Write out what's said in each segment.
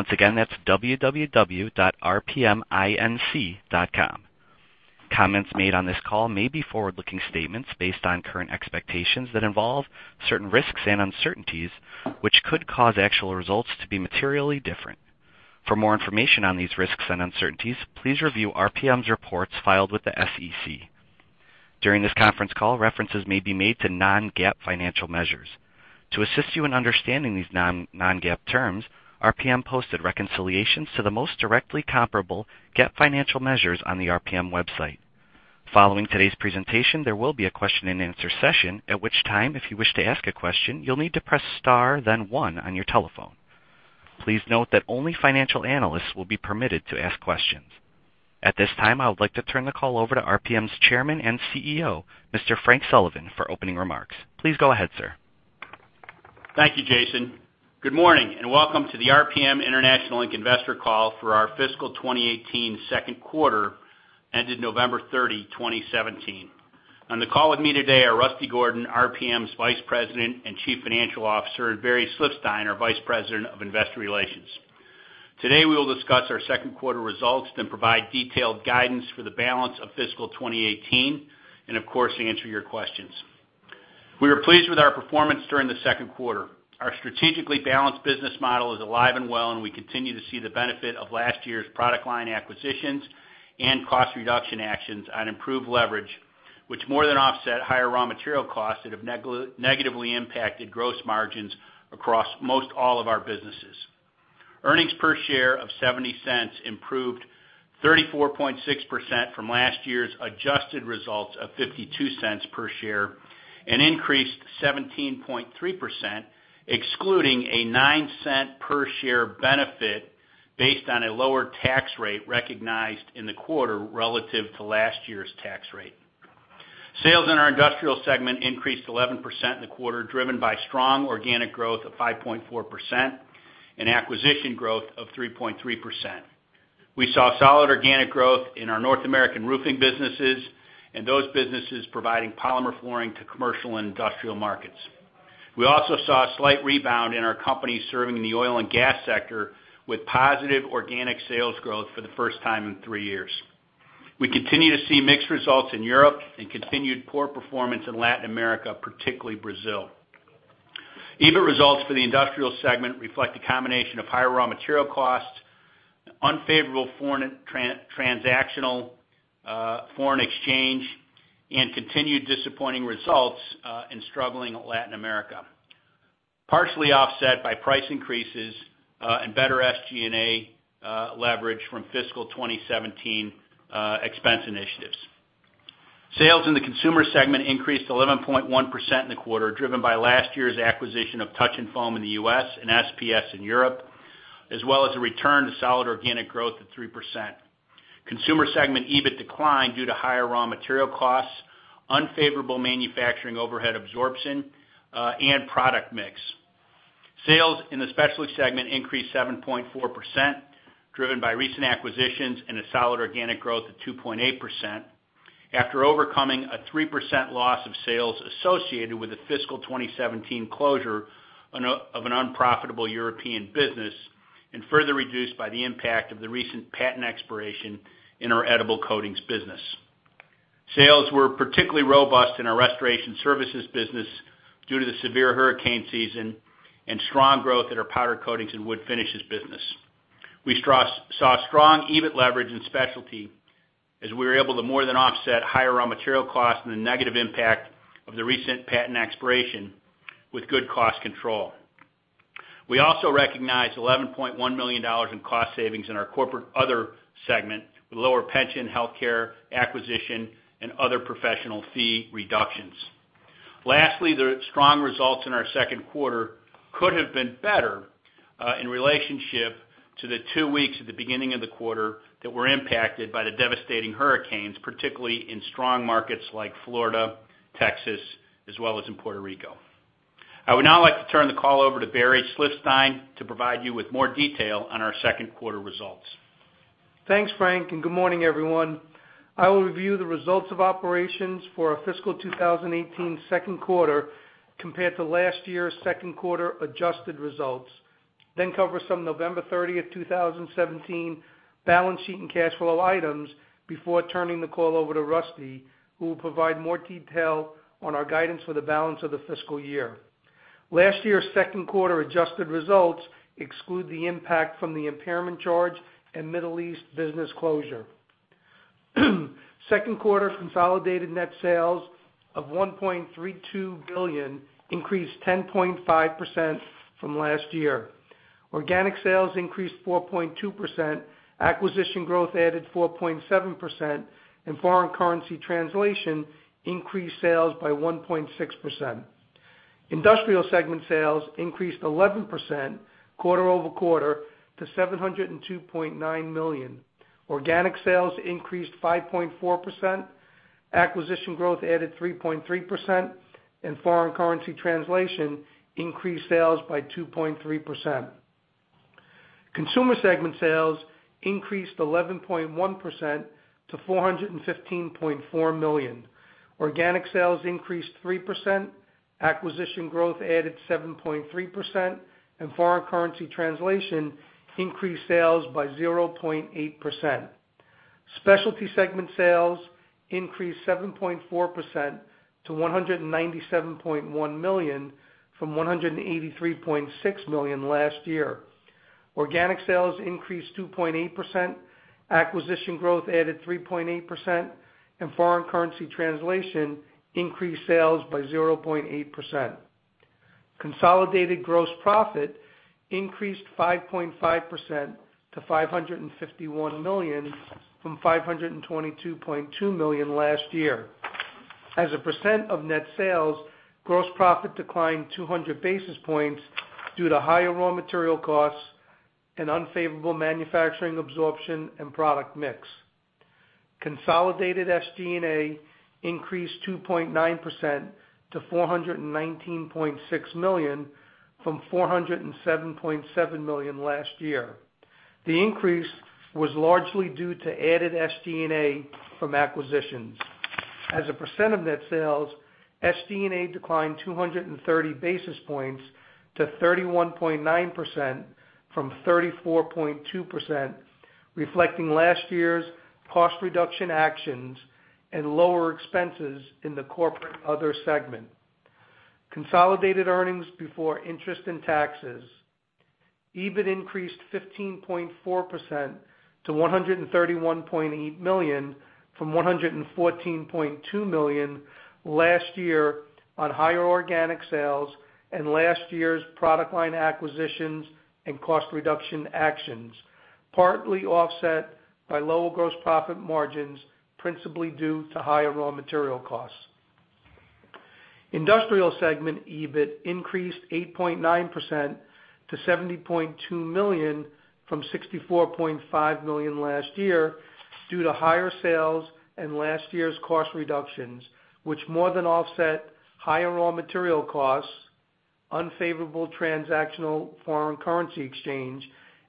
Once again, that's www.rpminc.com. Comments made on this call may be forward-looking statements based on current expectations that involve certain risks and uncertainties, which could cause actual results to be materially different. For more information on these risks and uncertainties, please review RPM's reports filed with the SEC. During this conference call, references may be made to non-GAAP financial measures. To assist you in understanding these non-GAAP terms, RPM posted reconciliations to the most directly comparable GAAP financial measures on the RPM website. Following today's presentation, there will be a question and answer session, at which time, if you wish to ask a question, you'll need to press star then one on your telephone. Please note that only financial analysts will be permitted to ask questions. At this time, I would like to turn the call over to RPM's Chairman and CEO, Mr. Frank Sullivan, for opening remarks. Please go ahead, sir. Thank you, Jason. Good morning, and welcome to the RPM International Investor Call for our fiscal 2018 second quarter ended November 30, 2017. On the call with me today are Rusty Gordon, RPM's Vice President and Chief Financial Officer, and Barry Slifstein, our Vice President of Investor Relations. Today, we will discuss our second quarter results, then provide detailed guidance for the balance of fiscal 2018, and of course, answer your questions. We are pleased with our performance during the second quarter. Our strategically balanced business model is alive and well, and we continue to see the benefit of last year's product line acquisitions and cost reduction actions on improved leverage, which more than offset higher raw material costs that have negatively impacted gross margins across most all of our businesses. Earnings per share of $0.70 improved 34.6% from last year's adjusted results of $0.52 per share, and increased 17.3%, excluding a $0.09 per share benefit based on a lower tax rate recognized in the quarter relative to last year's tax rate. Sales in our industrial segment increased 11% in the quarter, driven by strong organic growth of 5.4% and acquisition growth of 3.3%. We saw solid organic growth in our North American roofing businesses and those businesses providing polymer flooring to commercial and industrial markets. We also saw a slight rebound in our company serving the oil and gas sector with positive organic sales growth for the first time in three years. We continue to see mixed results in Europe and continued poor performance in Latin America, particularly Brazil. EBIT results for the industrial segment reflect a combination of higher raw material costs, unfavorable foreign transactional foreign exchange, and continued disappointing results in struggling Latin America, partially offset by price increases and better SG&A leverage from fiscal 2017 expense initiatives. Sales in the consumer segment increased 11.1% in the quarter, driven by last year's acquisition of Touch 'n Foam in the U.S. and SPS in Europe, as well as a return to solid organic growth of 3%. Consumer segment EBIT declined due to higher raw material costs, unfavorable manufacturing overhead absorption, and product mix. Sales in the specialty segment increased 7.4%, driven by recent acquisitions and a solid organic growth of 2.8%, after overcoming a 3% loss of sales associated with the fiscal 2017 closure of an unprofitable European business, and further reduced by the impact of the recent patent expiration in our edible coatings business. Sales were particularly robust in our restoration services business due to the severe hurricane season and strong growth in our powder coatings and wood finishes business. We saw strong EBIT leverage in specialty as we were able to more than offset higher raw material costs and the negative impact of the recent patent expiration with good cost control. We also recognized $11.1 million in cost savings in our corporate other segment with lower pension health care, acquisition, and other professional fee reductions. Lastly, the strong results in our second quarter could have been better in relationship to the two weeks at the beginning of the quarter that were impacted by the devastating hurricanes, particularly in strong markets like Florida, Texas, as well as in Puerto Rico. I would now like to turn the call over to Barry Slifstein to provide you with more detail on our second quarter results. Thanks, Frank, and good morning, everyone. I will review the results of operations for our fiscal 2018 second quarter compared to last year's second quarter adjusted results, then cover some November 30th, 2017, balance sheet and cash flow items before turning the call over to Rusty, who will provide more detail on our guidance for the balance of the fiscal year. Last year's second quarter adjusted results exclude the impact from the impairment charge and Middle East business closure. Second quarter consolidated net sales of $1.32 billion increased 10.5% from last year. Organic sales increased 4.2%, acquisition growth added 4.7%, and foreign currency translation increased sales by 1.6%. Industrial segment sales increased 11% quarter-over-quarter to $702.9 million. Organic sales increased 5.4%, acquisition growth added 3.3%, and foreign currency translation increased sales by 2.3%. Consumer segment sales increased 11.1% to $415.4 million. Organic sales increased 3%. Acquisition growth added 7.3%, and foreign currency translation increased sales by 0.8%. Specialty segment sales increased 7.4% to $197.1 million from $183.6 million last year. Organic sales increased 2.8%, acquisition growth added 3.8%, and foreign currency translation increased sales by 0.8%. Consolidated gross profit increased 5.5% to $551 million from $522.2 million last year. As a percent of net sales, gross profit declined 200 basis points due to higher raw material costs and unfavorable manufacturing absorption and product mix. Consolidated SG&A increased 2.9% to $419.6 million from $407.7 million last year. The increase was largely due to added SG&A from acquisitions. As a percent of net sales, SG&A declined 230 basis points to 31.9% from 34.2%, reflecting last year's cost reduction actions and lower expenses in the corporate other segment. Consolidated earnings before interest and taxes. EBIT increased 15.4% to $131.8 million from $114.2 million last year on higher organic sales and last year's product line acquisitions and cost reduction actions, partly offset by lower gross profit margins, principally due to higher raw material costs. Industrial segment EBIT increased 8.9% to $70.2 million from $64.5 million last year due to higher sales and last year's cost reductions, which more than offset higher raw material costs, unfavorable transactional foreign currency exchange,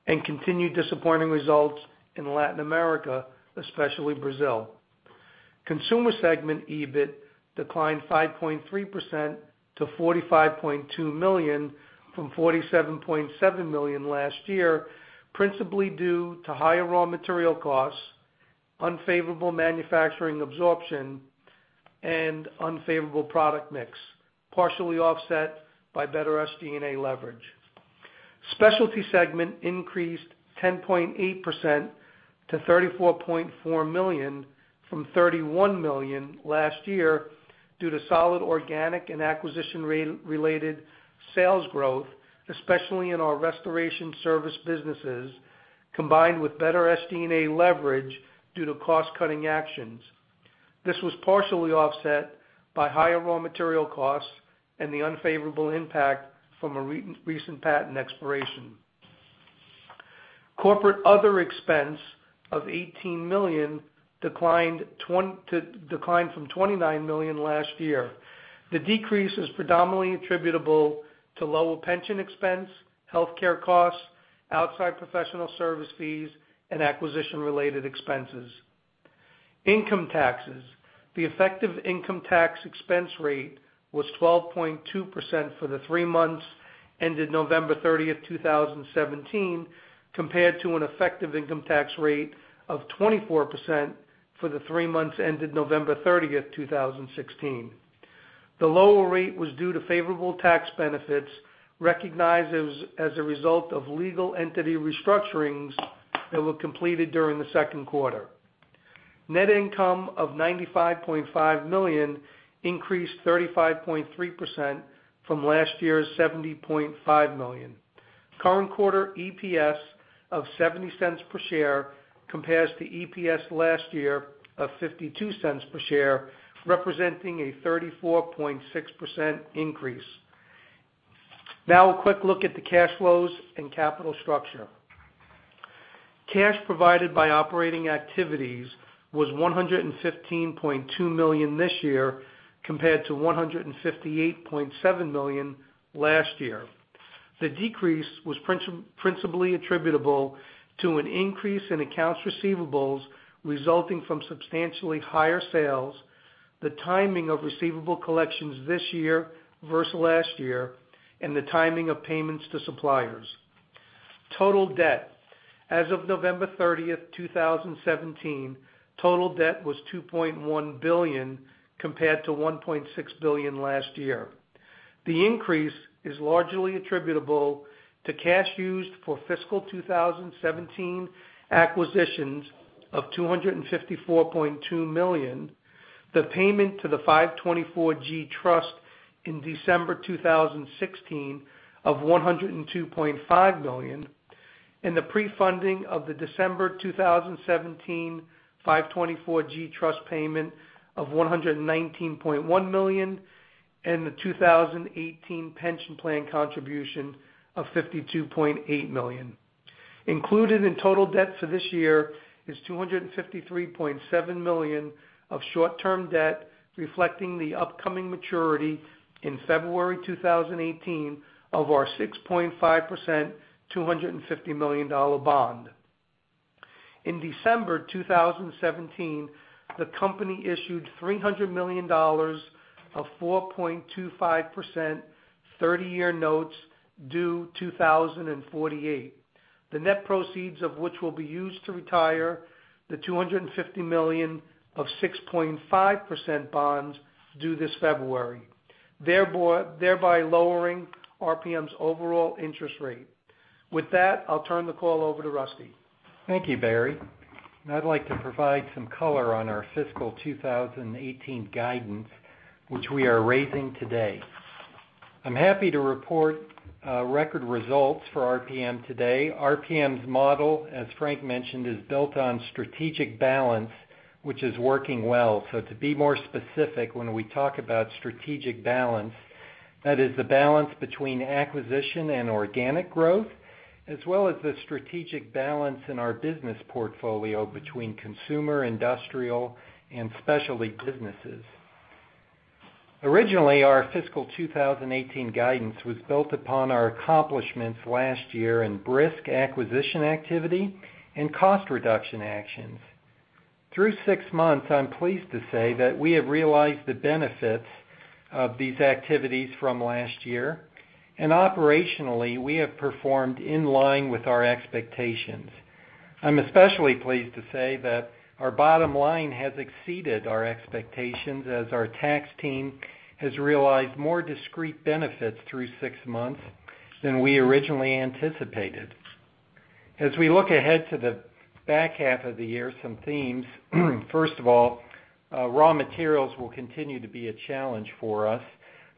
and continued disappointing results in Latin America, especially Brazil. Consumer segment EBIT declined 5.3% to $45.2 million from $47.7 million last year, principally due to higher raw material costs, unfavorable manufacturing absorption, and unfavorable product mix, partially offset by better SD&A leverage. Specialty segment increased 10.8% to $34.4 million from $31 million last year due to solid organic and acquisition-related sales growth, especially in our restoration service businesses, combined with better SG&A leverage due to cost-cutting actions. This was partially offset by higher raw material costs and the unfavorable impact from a recent patent expiration. Corporate other expense of $18 million declined from $29 million last year. The decrease is predominantly attributable to lower pension expense, healthcare costs, outside professional service fees, and acquisition related expenses. Income taxes. The effective income tax expense rate was 12.2% for the three months ended November 30th, 2017, compared to an effective income tax rate of 24% for the three months ended November 30th, 2016. The lower rate was due to favorable tax benefits recognized as a result of legal entity restructurings that were completed during the second quarter. Net income of $95.5 million increased 35.3% from last year's $70.5 million. Current quarter EPS of $0.70 per share compares to EPS last year of $0.52 per share, representing a 34.6% increase. Now a quick look at the cash flows and capital structure. Cash provided by operating activities was $115.2 million this year, compared to $158.7 million last year. The decrease was principally attributable to an increase in accounts receivables resulting from substantially higher sales, the timing of receivable collections this year versus last year, and the timing of payments to suppliers. Total debt. As of November 30th, 2017, total debt was $2.1 billion compared to $1.6 billion last year. The increase is largely attributable to cash used for fiscal 2017 acquisitions of $254.2 million, the payment to the 524(g) trust in December 2016 of $102.5 million, and the pre-funding of the December 2017 524(g) trust payment of $119.1 million, and the 2018 pension plan contribution of $52.8 million. Included in total debt for this year is $253.7 million of short-term debt, reflecting the upcoming maturity in February 2018 of our 6.5% $250 million bond. In December 2017, the company issued $300 million of 4.25% 30-year notes due 2048. The net proceeds of which will be used to retire the $250 million of 6.5% bonds due this February, thereby lowering RPM's overall interest rate. With that, I'll turn the call over to Rusty. Thank you, Barry. I'd like to provide some color on our fiscal 2018 guidance, which we are raising today. I'm happy to report record results for RPM today. RPM's model, as Frank mentioned, is built on strategic balance, which is working well. To be more specific, when we talk about strategic balance, that is the balance between acquisition and organic growth, as well as the strategic balance in our business portfolio between consumer, industrial, and specialty businesses. Originally, our fiscal 2018 guidance was built upon our accomplishments last year in brisk acquisition activity and cost reduction actions. Through six months, I'm pleased to say that we have realized the benefits of these activities from last year. Operationally, we have performed in line with our expectations. I'm especially pleased to say that our bottom line has exceeded our expectations as our tax team has realized more discrete benefits through six months than we originally anticipated. As we look ahead to the back half of the year, some themes. First of all, raw materials will continue to be a challenge for us.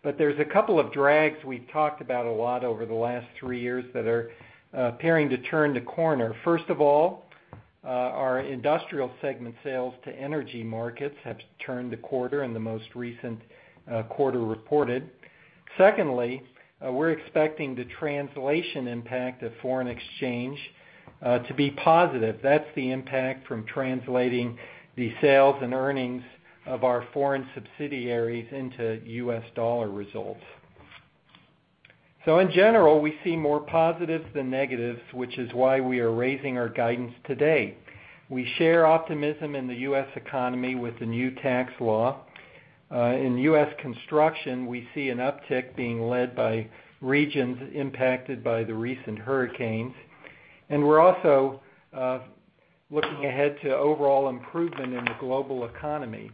There's a couple of drags we've talked about a lot over the last three years that are appearing to turn the corner. First of all, our industrial segment sales to energy markets have turned a quarter in the most recent quarter reported. Secondly, we're expecting the translation impact of foreign exchange to be positive. That's the impact from translating the sales and earnings of our foreign subsidiaries into US dollar results. In general, we see more positives than negatives, which is why we are raising our guidance today. We share optimism in the U.S. economy with the new tax law. In U.S. construction, we see an uptick being led by regions impacted by the recent hurricanes. We're also looking ahead to overall improvement in the global economy.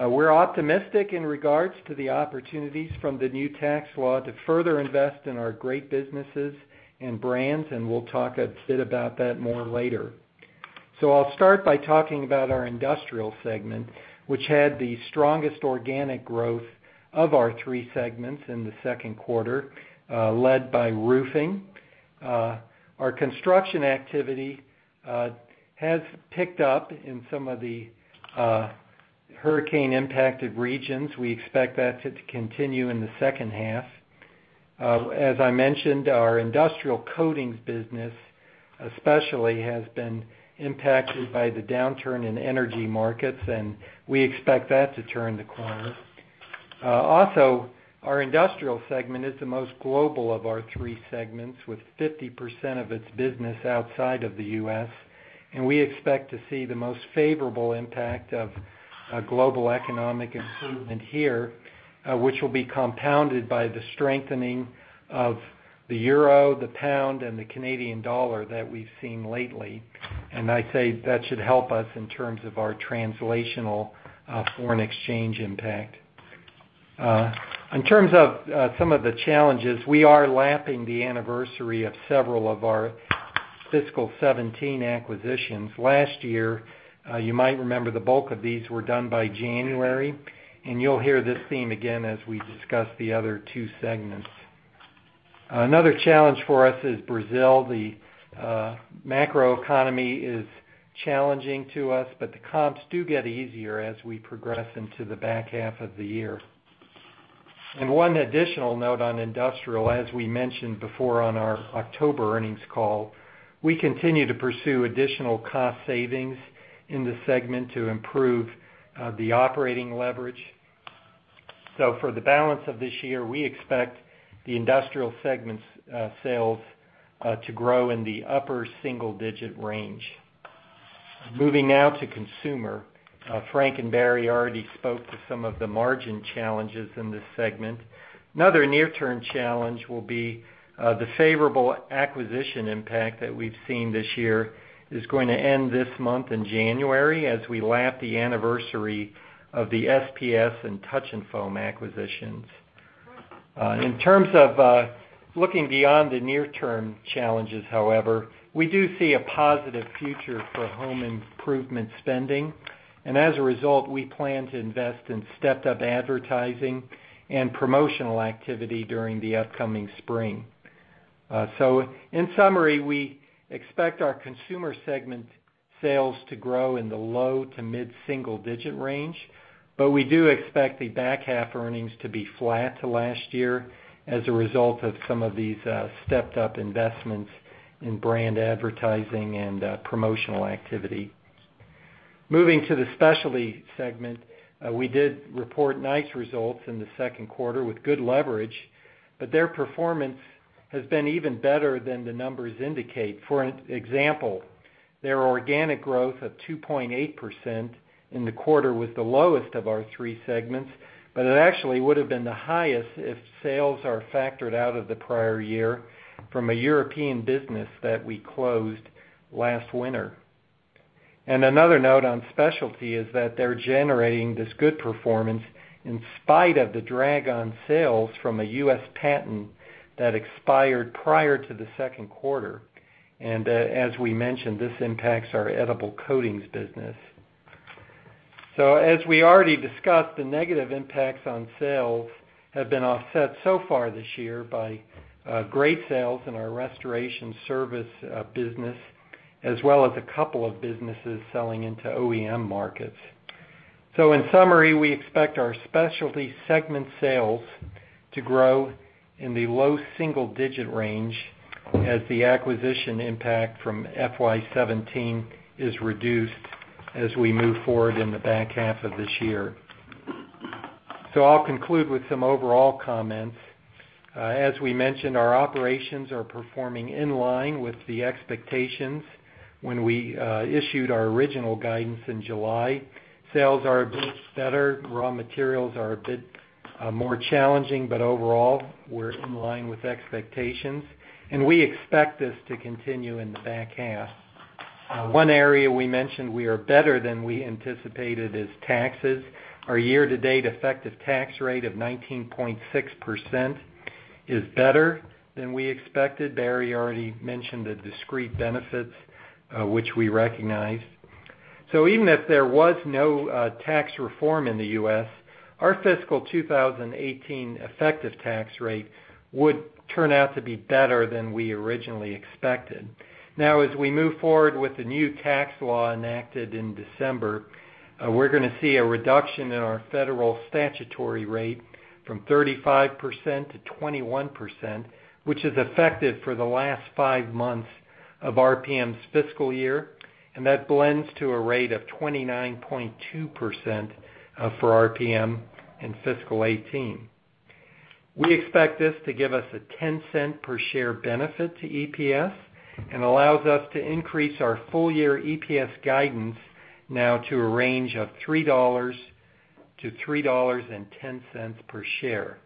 We're optimistic in regards to the opportunities from the new tax law to further invest in our great businesses and brands, and we'll talk a bit about that more later. I'll start by talking about our industrial segment, which had the strongest organic growth of our three segments in the second quarter, led by roofing. Our construction activity has picked up in some of the hurricane-impacted regions. We expect that to continue in the second half. As I mentioned, our industrial coatings business especially has been impacted by the downturn in energy markets, and we expect that to turn the corner. Also, our industrial segment is the most global of our three segments, with 50% of its business outside of the U.S. We expect to see the most favorable impact of a global economic improvement here, which will be compounded by the strengthening of the euro, the pound, and the Canadian dollar that we've seen lately. I say that should help us in terms of our translational foreign exchange impact. In terms of some of the challenges, we are lapping the anniversary of several of our fiscal 2017 acquisitions. Last year, you might remember the bulk of these were done by January. You'll hear this theme again as we discuss the other two segments. Another challenge for us is Brazil. The macroeconomy is challenging to us, the comps do get easier as we progress into the back half of the year. One additional note on industrial, as we mentioned before on our October earnings call, we continue to pursue additional cost savings in the segment to improve the operating leverage. For the balance of this year, we expect the industrial segment's sales to grow in the upper single-digit range. Moving now to consumer. Frank and Barry already spoke to some of the margin challenges in this segment. Another near-term challenge will be the favorable acquisition impact that we've seen this year is going to end this month in January as we lap the anniversary of the SPS and Touch 'n Foam acquisitions. In terms of looking beyond the near-term challenges, however, we do see a positive future for home improvement spending. As a result, we plan to invest in stepped-up advertising and promotional activity during the upcoming spring. In summary, we expect our consumer segment sales to grow in the low to mid-single-digit range. We do expect the back half earnings to be flat to last year as a result of some of these stepped-up investments in brand advertising and promotional activity. Moving to the specialty segment. We did report nice results in the second quarter with good leverage, but their performance has been even better than the numbers indicate. For example, their organic growth of 2.8% in the quarter was the lowest of our three segments, but it actually would have been the highest if sales are factored out of the prior year from a European business that we closed last winter. Another note on specialty is that they're generating this good performance in spite of the drag on sales from a U.S. patent that expired prior to the second quarter. As we mentioned, this impacts our edible coatings business. As we already discussed, the negative impacts on sales have been offset so far this year by great sales in our restoration service business, as well as a couple of businesses selling into OEM markets. In summary, we expect our specialty segment sales to grow in the low single-digit range as the acquisition impact from FY 2017 is reduced as we move forward in the back half of this year. I'll conclude with some overall comments. As we mentioned, our operations are performing in line with the expectations when we issued our original guidance in July. Sales are a bit better. Raw materials are a bit more challenging, but overall, we're in line with expectations, and we expect this to continue in the back half. One area we mentioned we are better than we anticipated is taxes. Our year-to-date effective tax rate of 19.6% is better than we expected. Barry already mentioned the discrete benefits, which we recognize. Even if there was no tax reform in the U.S., our fiscal 2018 effective tax rate would turn out to be better than we originally expected. As we move forward with the new tax law enacted in December, we're going to see a reduction in our federal statutory rate from 35%-21%, which is effective for the last five months of RPM's fiscal year, and that blends to a rate of 29.2% for RPM in fiscal 2018. We expect this to give us a $0.10 per share benefit to EPS and allows us to increase our full-year EPS guidance now to a range of $3-$3.10 per share.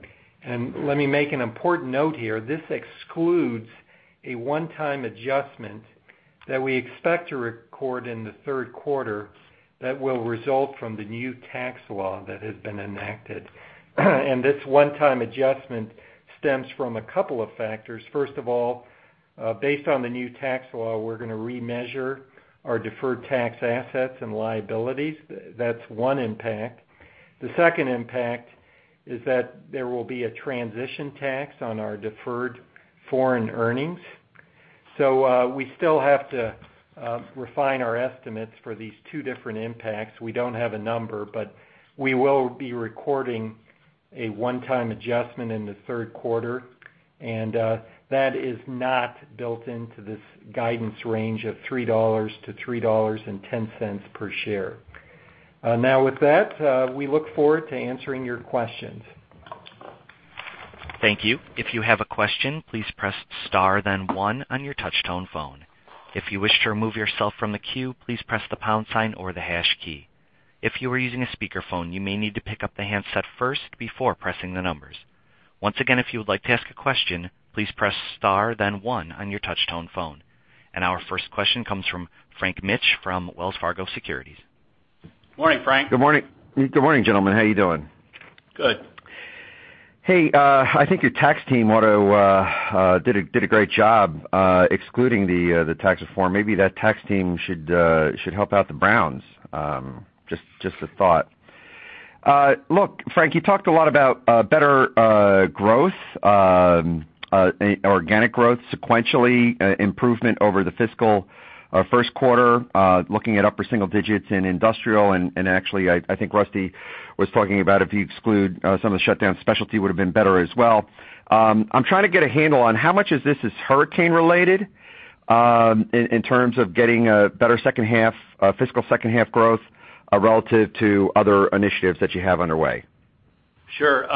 Let me make an important note here. This excludes a one-time adjustment that we expect to record in the third quarter that will result from the new tax law that has been enacted. This one-time adjustment stems from a couple of factors. First of all, based on the new tax law, we're going to remeasure our deferred tax assets and liabilities. That's one impact. The second impact is that there will be a transition tax on our deferred foreign earnings. We still have to refine our estimates for these two different impacts. We don't have a number, but we will be recording a one-time adjustment in the third quarter, and that is not built into this guidance range of $3-$3.10 per share. With that, we look forward to answering your questions. Thank you. If you have a question, please press star then one on your touch tone phone. If you wish to remove yourself from the queue, please press the pound sign or the hash key. If you are using a speakerphone, you may need to pick up the handset first before pressing the numbers. Once again, if you would like to ask a question, please press star then one on your touch tone phone. Our first question comes from Frank Mitsch from Wells Fargo Securities. Morning, Frank. Good morning, gentlemen. How are you doing? Good. Hey, I think your tax team did a great job excluding the tax reform. Maybe that tax team should help out the Browns. Just a thought. Look, Frank, you talked a lot about better growth, organic growth, sequentially improvement over the fiscal first quarter, looking at upper single digits in industrial. Actually, I think Rusty was talking about if you exclude some of the shutdown, Specialty would have been better as well. I'm trying to get a handle on how much of this is hurricane related in terms of getting a better fiscal second half growth relative to other initiatives that you have underway. Sure.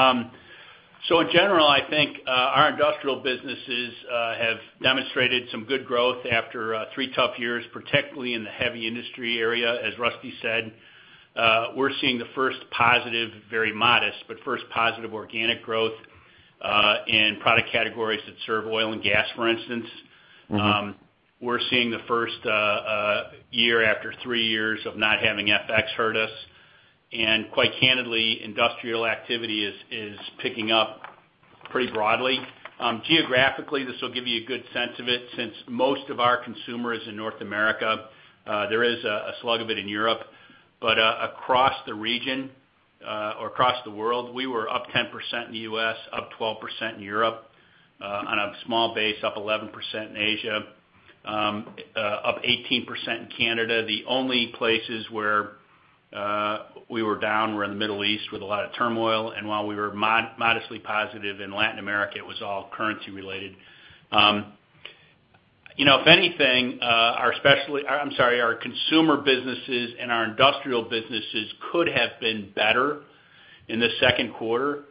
In general, I think our industrial businesses have demonstrated some good growth after three tough years, particularly in the heavy industry area. As Rusty said, we're seeing the first positive, very modest, but first positive organic growth in product categories that serve oil and gas, for instance. We're seeing the first year after three years of not having FX hurt us. Quite candidly, industrial activity is picking up pretty broadly. Geographically, this will give you a good sense of it, since most of our consumer is in North America. There is a slug of it in Europe, but across the region, or across the world, we were up 10% in the U.S., up 12% in Europe. On a small base, up 11% in Asia, up 18% in Canada. The only places where we were down were in the Middle East with a lot of turmoil. While we were modestly positive in Latin America, it was all currency related. If anything, our consumer businesses and our industrial businesses could have been better in the second quarter.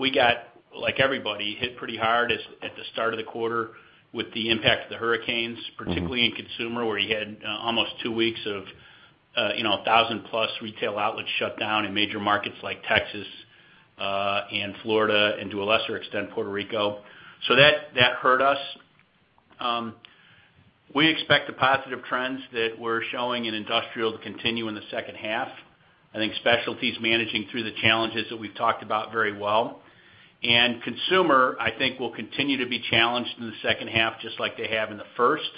We got, like everybody, hit pretty hard at the start of the quarter with the impact of the hurricanes, particularly in consumer, where you had almost two weeks of 1,000-plus retail outlets shut down in major markets like Texas and Florida, and to a lesser extent, Puerto Rico. That hurt us. We expect the positive trends that we're showing in industrial to continue in the second half. I think Specialty managing through the challenges that we've talked about very well. Consumer, I think, will continue to be challenged in the second half, just like they have in the first.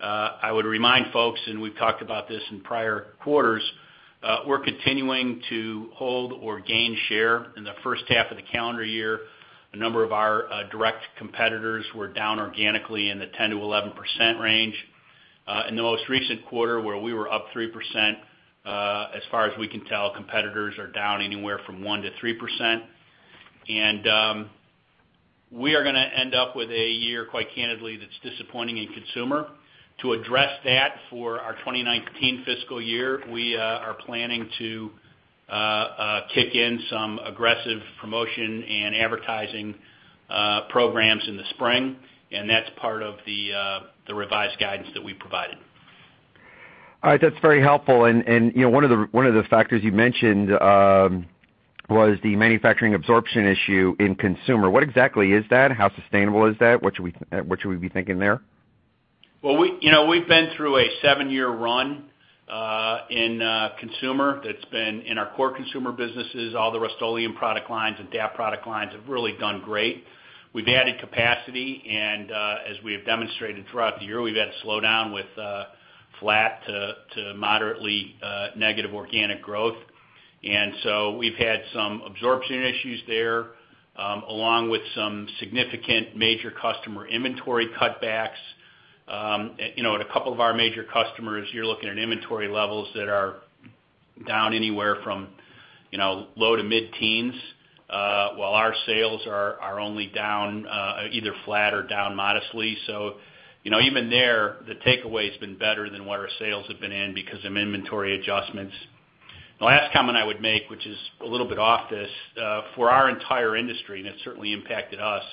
I would remind folks, and we've talked about this in prior quarters, we're continuing to hold or gain share in the first half of the calendar year. A number of our direct competitors were down organically in the 10%-11% range. In the most recent quarter, where we were up 3%, as far as we can tell, competitors are down anywhere from 1%-3%. We are going to end up with a year, quite candidly, that's disappointing in consumer. To address that for our 2019 fiscal year, we are planning to kick in some aggressive promotion and advertising programs in the spring, and that's part of the revised guidance that we provided. All right. That's very helpful. One of the factors you mentioned was the manufacturing absorption issue in consumer. What exactly is that? How sustainable is that? What should we be thinking there? Well, we've been through a seven-year run in consumer that's been in our core consumer businesses. All the Rust-Oleum product lines and DAP product lines have really done great. We've added capacity, and as we have demonstrated throughout the year, we've had a slowdown with flat to moderately negative organic growth. We've had some absorption issues there, along with some significant major customer inventory cutbacks. At a couple of our major customers, you're looking at inventory levels that are down anywhere from low to mid-teens, while our sales are only either flat or down modestly. Even there, the takeaway has been better than what our sales have been in because of inventory adjustments. The last comment I would make, which is a little bit off this, for our entire industry, and it certainly impacted us,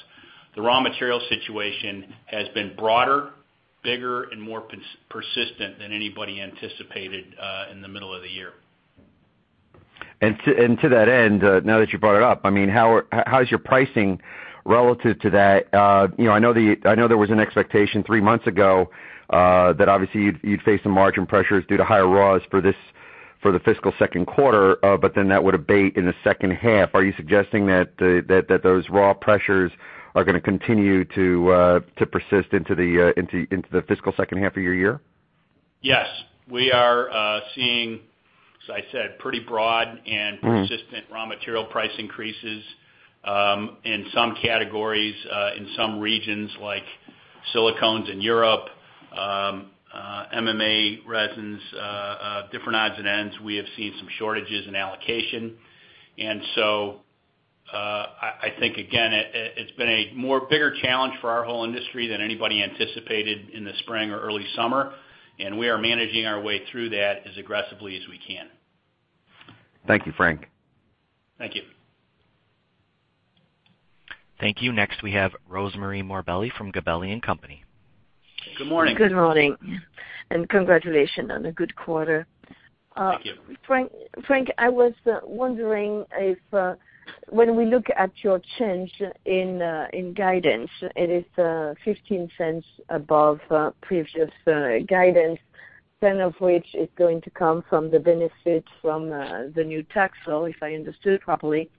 the raw material situation has been broader, bigger, and more persistent than anybody anticipated in the middle of the year. To that end, now that you brought it up, how's your pricing relative to that? I know there was an expectation three months ago that obviously you'd face some margin pressures due to higher raws for the fiscal second quarter, but then that would abate in the second half. Are you suggesting that those raw pressures are going to continue to persist into the fiscal second half of your year? Yes. We are seeing, as I said, pretty broad and persistent raw material price increases in some categories, in some regions like silicones in Europe, MMA resins, different odds and ends. We have seen some shortages in allocation. I think, again, it's been a bigger challenge for our whole industry than anybody anticipated in the spring or early summer, and we are managing our way through that as aggressively as we can. Thank you, Frank. Thank you. Thank you. Next, we have Rosemarie Morbelli from Gabelli & Company. Good morning. Good morning, congratulations on a good quarter. Thank you. Frank, I was wondering if when we look at your change in guidance, it is $0.15 above previous guidance, $0.10 of which is going to come from the benefits from the new tax law, if I understood properly,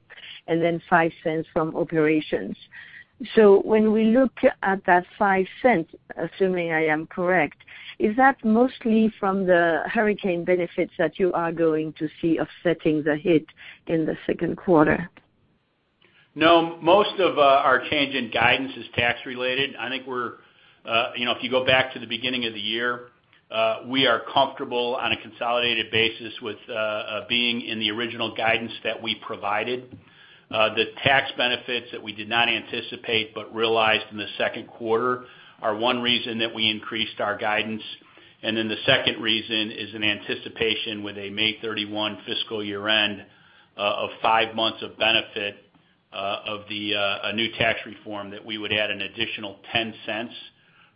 and then $0.05 from operations. When we look at that $0.05, assuming I am correct, is that mostly from the hurricane benefits that you are going to see offsetting the hit in the second quarter? Most of our change in guidance is tax related. If you go back to the beginning of the year, we are comfortable on a consolidated basis with being in the original guidance that we provided. The tax benefits that we did not anticipate but realized in the second quarter are one reason that we increased our guidance, and then the second reason is in anticipation with a May 31 fiscal year end of five months of benefit of the new Tax Reform that we would add an additional $0.10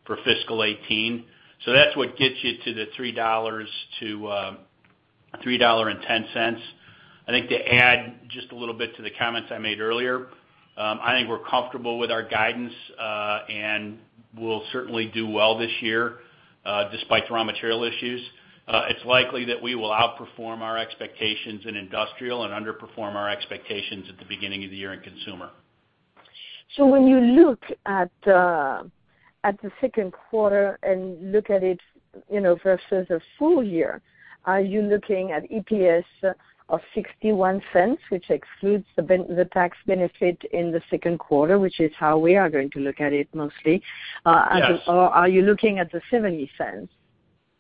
for fiscal 2018. That's what gets you to the $3.00-$3.10. I think to add just a little bit to the comments I made earlier, I think we're comfortable with our guidance, and we'll certainly do well this year despite the raw material issues. It's likely that we will outperform our expectations in industrial and underperform our expectations at the beginning of the year in consumer. When you look at the second quarter and look at it versus a full year, are you looking at EPS of $0.61, which excludes the tax benefit in the second quarter, which is how we are going to look at it mostly? Yes. Are you looking at the $0.70?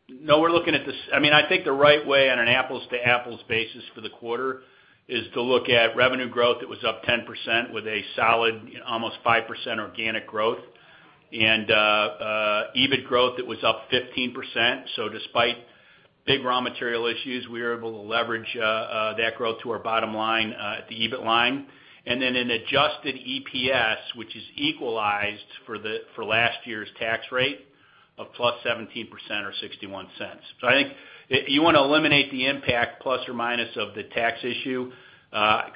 No, I think the right way on an apples-to-apples basis for the quarter is to look at revenue growth that was up 10% with a solid almost 5% organic growth, EBIT growth that was up 15%. Despite big raw material issues, we were able to leverage that growth to our bottom line, the EBIT line. Then an adjusted EPS, which is equalized for last year's tax rate, of plus 17% or $0.61. I think you want to eliminate the impact, plus or minus, of the tax issue,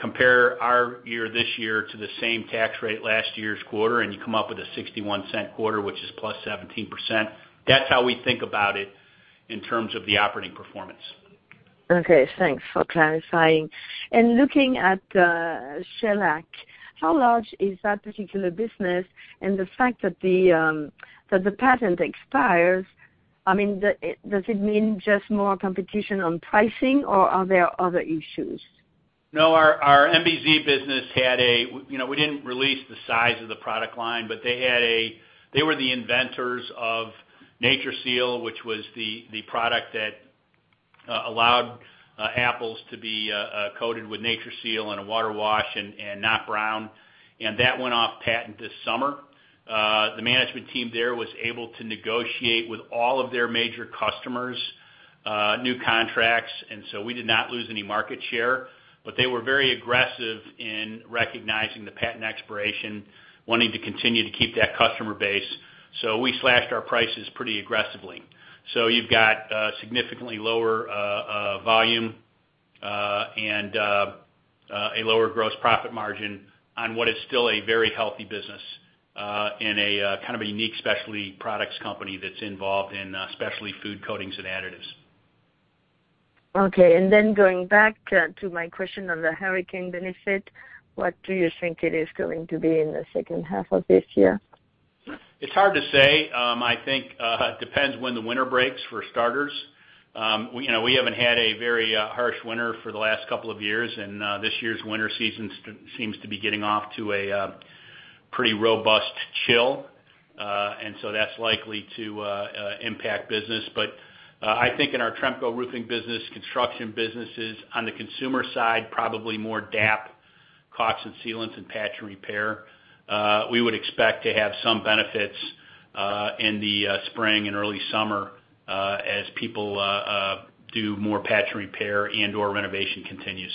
compare our year this year to the same tax rate last year's quarter, and you come up with a $0.61 quarter, which is plus 17%. That's how we think about it in terms of the operating performance. Okay, thanks for clarifying. Looking at shellac, how large is that particular business? The fact that the patent expires, does it mean just more competition on pricing, or are there other issues? No. Our MBZ business, we didn't release the size of the product line, but they were the inventors of NatureSeal, which was the product that allowed apples to be coated with NatureSeal and a water wash and not brown. That went off patent this summer. The management team there was able to negotiate with all of their major customers, new contracts, we did not lose any market share. They were very aggressive in recognizing the patent expiration, wanting to continue to keep that customer base, we slashed our prices pretty aggressively. You've got significantly lower volume and a lower gross profit margin on what is still a very healthy business in a kind of a unique specialty products company that's involved in specialty food coatings and additives. Okay, then going back to my question on the hurricane benefit, what do you think it is going to be in the second half of this year? It's hard to say. I think it depends when the winter breaks, for starters. We haven't had a very harsh winter for the last couple of years, and this year's winter season seems to be getting off to a pretty robust chill. That's likely to impact business. I think in our Tremco roofing business, construction businesses on the consumer side, probably more DAP caulk and sealants and patch repair. We would expect to have some benefits in the spring and early summer as people do more patch repair and/or renovation continues.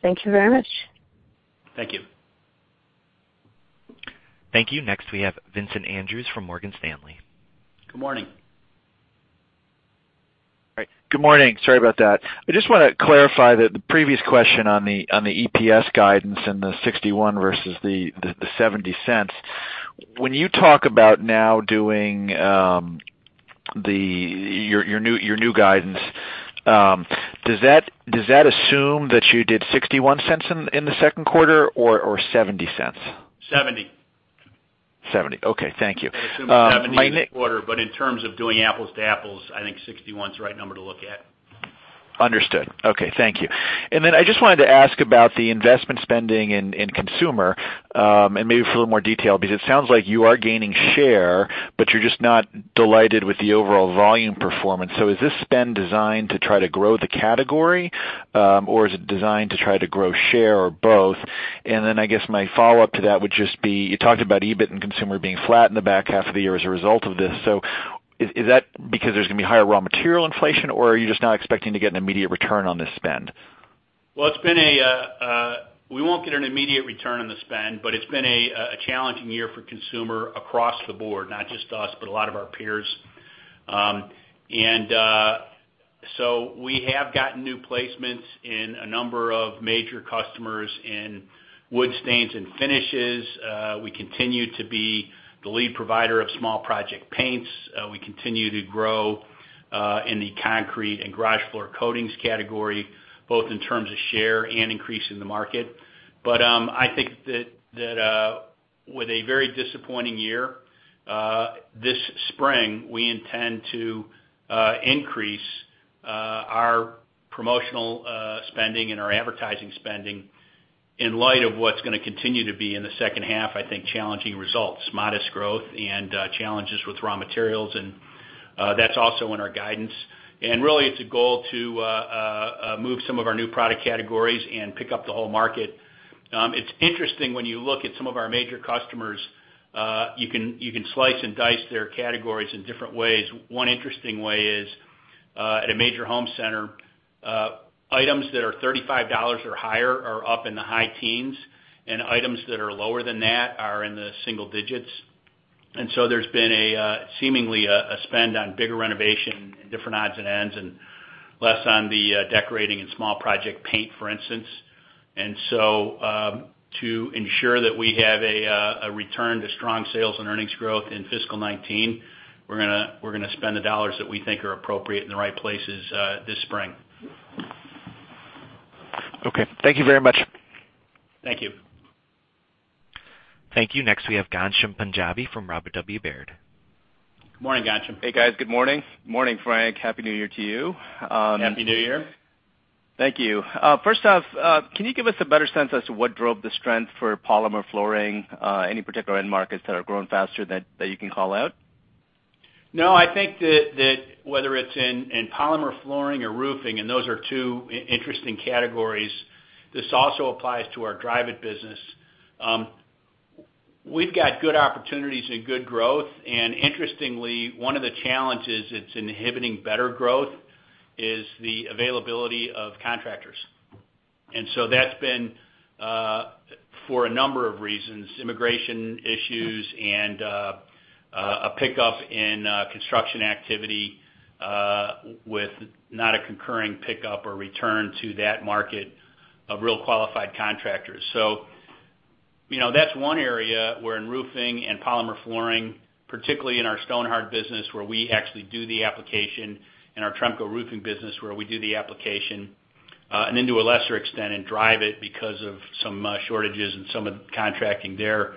Thank you very much. Thank you. Thank you. Next, we have Vincent Andrews from Morgan Stanley. Good morning. Good morning. Sorry about that. I just want to clarify the previous question on the EPS guidance and the $0.61 versus the $0.70. When you talk about now doing your new guidance, does that assume that you did $0.61 in the second quarter or $0.70? 70. $0.70. Okay. Thank you. I assume 70 in the quarter, but in terms of doing apples to apples, I think 61 is the right number to look at. Understood. Okay. Thank you. I just wanted to ask about the investment spending in Consumer, and maybe for a little more detail, because it sounds like you are gaining share, but you're just not delighted with the overall volume performance. Is this spend designed to try to grow the category? Is it designed to try to grow share or both? I guess my follow-up to that would just be, you talked about EBIT and Consumer being flat in the back half of the year as a result of this. Is that because there's going to be higher raw material inflation, or are you just not expecting to get an immediate return on this spend? Well, we won't get an immediate return on the spend, but it's been a challenging year for Consumer across the board, not just us, but a lot of our peers. We have gotten new placements in a number of major customers in wood stains and finishes. We continue to be the lead provider of small project paints. We continue to grow in the concrete and garage floor coatings category, both in terms of share and increase in the market. I think that with a very disappointing year, this spring, we intend to increase our promotional spending and our advertising spending in light of what's going to continue to be in the second half, I think, challenging results. Modest growth and challenges with raw materials, and that's also in our guidance. Really, it's a goal to move some of our new product categories and pick up the whole market. It's interesting when you look at some of our major customers. You can slice and dice their categories in different ways. One interesting way is, at a major home center, items that are $35 or higher are up in the high teens, and items that are lower than that are in the single digits. There's been seemingly a spend on bigger renovation and different odds and ends, and less on the decorating and small project paint, for instance. To ensure that we have a return to strong sales and earnings growth in fiscal 2019, we're going to spend the dollars that we think are appropriate in the right places this spring. Okay. Thank you very much. Thank you. Thank you. Next, we have Ghansham Panjabi from Robert W. Baird. Good morning, Ghansham. Hey, guys. Good morning. Morning, Frank. Happy New Year to you. Happy New Year. Thank you. First off, can you give us a better sense as to what drove the strength for polymer flooring? Any particular end markets that are growing faster that you can call out? I think that whether it's in polymer flooring or roofing, and those are two interesting categories, this also applies to our Dryvit business. We've got good opportunities and good growth, interestingly, one of the challenges that's inhibiting better growth is the availability of contractors. That's been for a number of reasons, immigration issues and a pickup in construction activity, with not a concurring pickup or return to that market of real qualified contractors. That's one area where in roofing and polymer flooring, particularly in our Stonhard business where we actually do the application, and our Tremco roofing business where we do the application, and then to a lesser extent in Dryvit because of some shortages and some of the contracting there,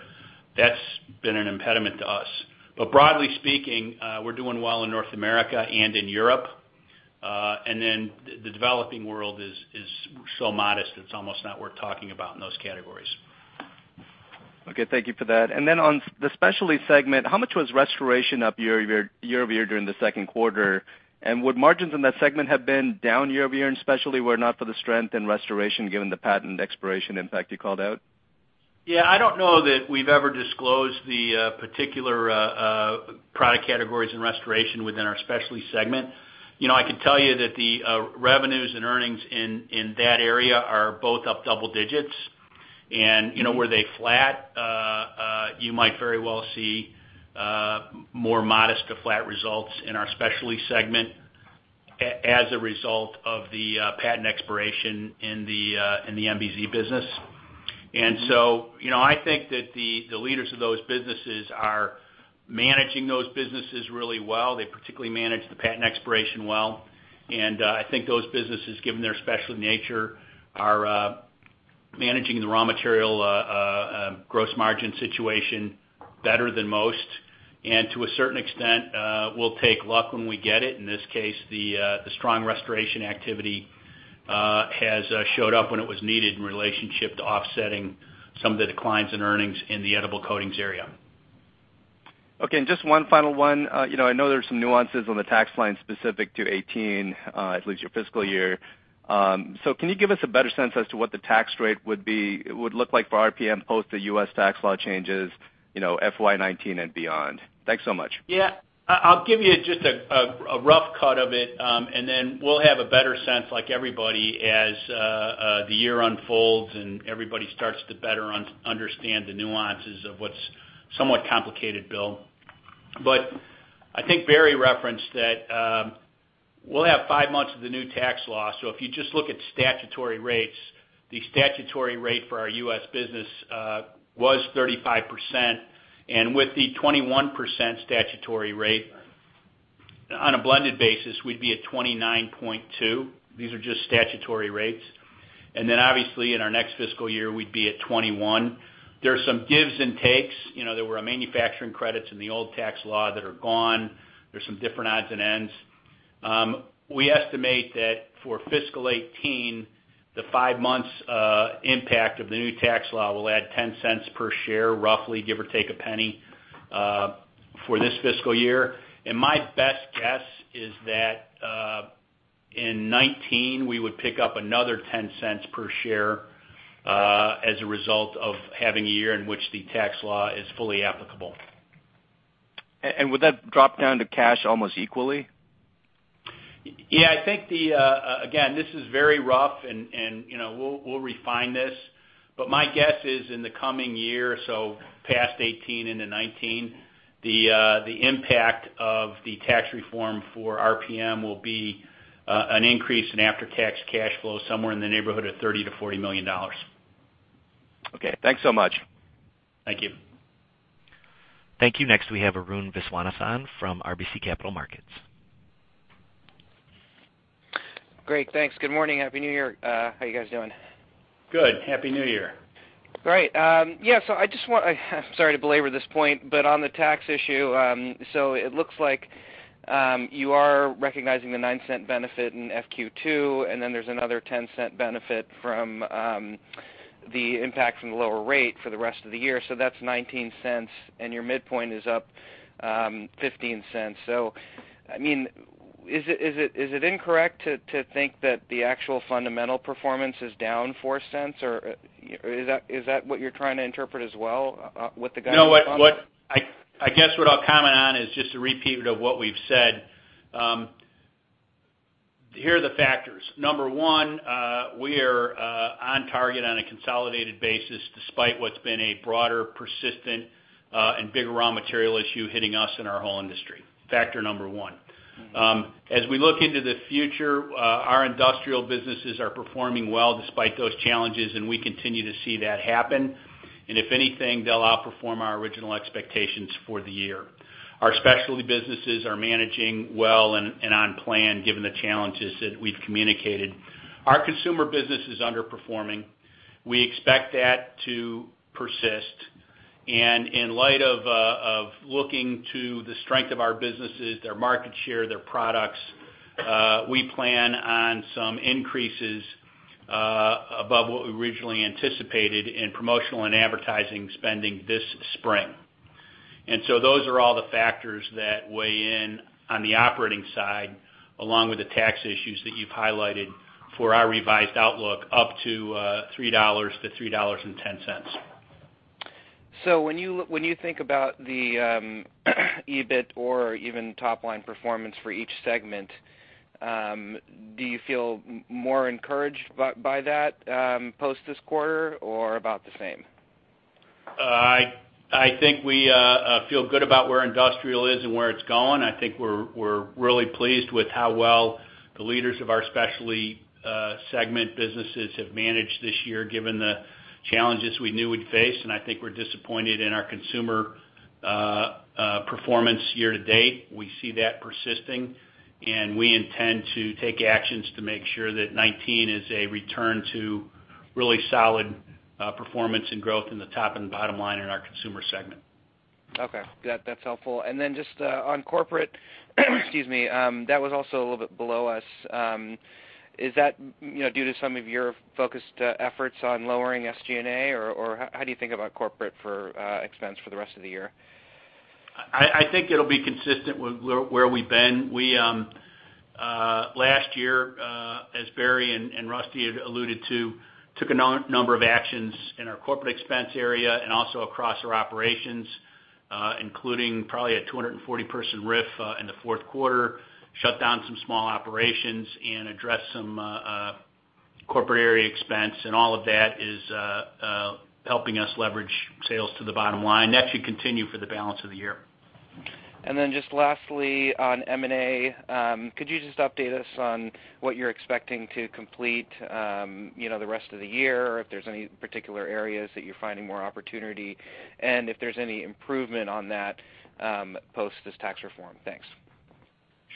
that's been an impediment to us. Broadly speaking, we're doing well in North America and in Europe. The developing world is so modest it's almost not worth talking about in those categories. Okay. Thank you for that. On the specialty segment, how much was restoration up year-over-year during the second quarter? Would margins in that segment have been down year-over-year, especially were it not for the strength in restoration given the patent expiration impact you called out? Yeah. I don't know that we've ever disclosed the particular product categories in restoration within our specialty segment. I can tell you that the revenues and earnings in that area are both up double digits. Were they flat, you might very well see more modest to flat results in our specialty segment as a result of the patent expiration in the MBZ business. I think that the leaders of those businesses are managing those businesses really well. They particularly manage the patent expiration well. I think those businesses, given their specialty nature, are managing the raw material gross margin situation better than most, and to a certain extent, we'll take luck when we get it. In this case, the strong restoration activity has showed up when it was needed in relationship to offsetting some of the declines in earnings in the edible coatings area. Okay, just one final one. I know there's some nuances on the tax line specific to 2018, at least your fiscal year. Can you give us a better sense as to what the tax rate would look like for RPM post the U.S. tax law changes, FY 2019 and beyond? Thanks so much. Yeah. I'll give you just a rough cut of it, and then we'll have a better sense, like everybody, as the year unfolds and everybody starts to better understand the nuances of what's somewhat complicated bill. I think Barry referenced that we'll have five months of the new tax law. If you just look at statutory rates, the statutory rate for our U.S. business was 35%, and with the 21% statutory rate, on a blended basis, we'd be at 29.2%. These are just statutory rates. Obviously in our next fiscal year, we'd be at 21%. There are some gives and takes. There were manufacturing credits in the old tax law that are gone. There's some different odds and ends. We estimate that for fiscal 2018, the five months impact of the new tax law will add $0.10 per share, roughly, give or take $0.01, for this fiscal year. My best guess is that in 2019, we would pick up another $0.10 per share, as a result of having a year in which the tax law is fully applicable. Would that drop down to cash almost equally? Yeah. Again, this is very rough and we'll refine this, but my guess is in the coming year, so past 2018 into 2019, the impact of the tax reform for RPM will be an increase in after-tax cash flow somewhere in the neighborhood of $30 million-$40 million. Okay. Thanks so much. Thank you. Thank you. Next, we have Arun Viswanathan from RBC Capital Markets. Great. Thanks. Good morning. Happy New Year. How you guys doing? Good. Happy New Year. Great. Yeah. Sorry to belabor this point. On the tax issue, it looks like you are recognizing the $0.09 benefit in FQ2, and then there's another $0.10 benefit from the impact from the lower rate for the rest of the year. That's $0.19 and your midpoint is up $0.15. Is it incorrect to think that the actual fundamental performance is down $0.04? Or is that what you're trying to interpret as well, with the guidance? No. I guess what I'll comment on is just a repeat of what we've said. Here are the factors. Number one, we are on target on a consolidated basis despite what's been a broader, persistent, and bigger raw material issue hitting us and our whole industry. Factor number one. As we look into the future, our industrial businesses are performing well despite those challenges, and we continue to see that happen. If anything, they'll outperform our original expectations for the year. Our specialty businesses are managing well and on plan given the challenges that we've communicated. Our consumer business is underperforming. We expect that to persist. In light of looking to the strength of our businesses, their market share, their products, we plan on some increases above what we originally anticipated in promotional and advertising spending this spring. Those are all the factors that weigh in on the operating side, along with the tax issues that you've highlighted for our revised outlook, up to $3-$3.10. When you think about the EBIT or even top-line performance for each segment, do you feel more encouraged by that post this quarter or about the same? I think we feel good about where industrial is and where it's going. I think we're really pleased with how well the leaders of our specialty segment businesses have managed this year, given the challenges we knew we'd face. I think we're disappointed in our consumer performance year-to-date. We see that persisting, and we intend to take actions to make sure that 2019 is a return to really solid performance and growth in the top and the bottom line in our consumer segment. Okay. That's helpful. Just on corporate, excuse me, that was also a little bit below us. Is that due to some of your focused efforts on lowering SG&A, or how do you think about corporate for expense for the rest of the year? I think it'll be consistent with where we've been. We last year, as Barry and Rusty had alluded to, took a number of actions in our corporate expense area and also across our operations, including probably a 240 person RIF in the fourth quarter, shut down some small operations, and addressed some corporate area expense. All of that is helping us leverage sales to the bottom line. That should continue for the balance of the year. just lastly, on M&A, could you just update us on what you're expecting to complete the rest of the year or if there's any particular areas that you're finding more opportunity and if there's any improvement on that post this tax reform? Thanks.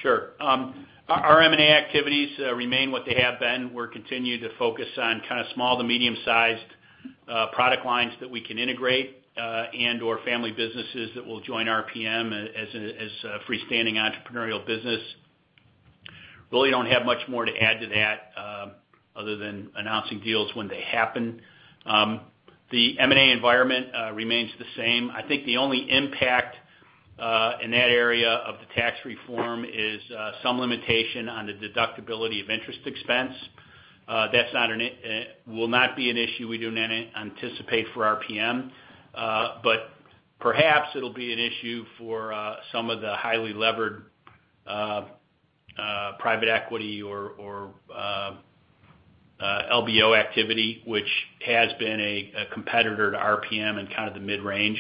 Sure. Our M&A activities remain what they have been. We're continuing to focus on kind of small to medium sized product lines that we can integrate, and/or family businesses that will join RPM as a freestanding entrepreneurial business. Really don't have much more to add to that, other than announcing deals when they happen. The M&A environment remains the same. I think the only impact in that area of the tax reform is some limitation on the deductibility of interest expense. That will not be an issue we do not anticipate for RPM. Perhaps it'll be an issue for some of the highly levered private equity or LBO activity, which has been a competitor to RPM in kind of the mid-range.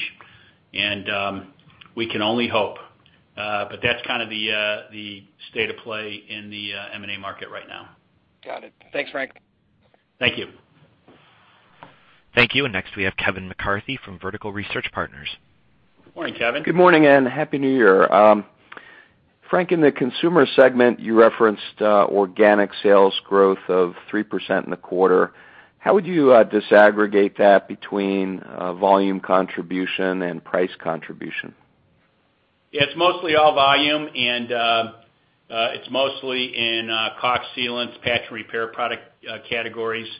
We can only hope. That's kind of the state of play in the M&A market right now. Got it. Thanks, Frank. Thank you. Thank you. Next we have Kevin McCarthy from Vertical Research Partners. Morning, Kevin. Good morning and happy New Year. Frank, in the consumer segment, you referenced organic sales growth of 3% in the quarter. How would you disaggregate that between volume contribution and price contribution? Yeah, it's mostly all volume, and it's mostly in caulk sealant patch and repair product categories.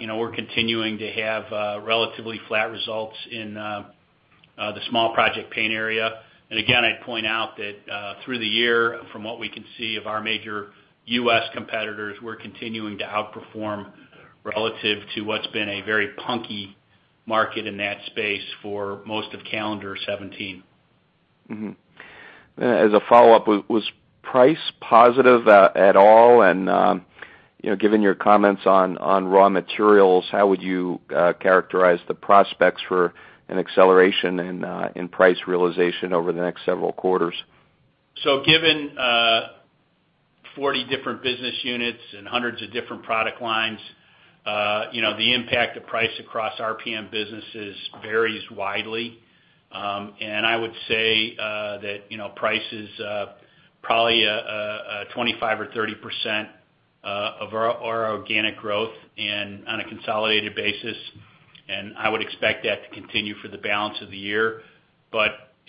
We're continuing to have relatively flat results in the small project paint area. Again, I'd point out that through the year, from what we can see of our major U.S. competitors, we're continuing to outperform relative to what's been a very punky market in that space for most of calendar 2017. As a follow-up, was price positive at all? Given your comments on raw materials, how would you characterize the prospects for an acceleration in price realization over the next several quarters? Given 40 different business units and hundreds of different product lines, the impact of price across RPM businesses varies widely. I would say that price is probably 25% or 30% of our organic growth on a consolidated basis. I would expect that to continue for the balance of the year.